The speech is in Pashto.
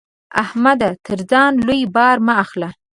احمده! تر ځان لوی بار مه اخله.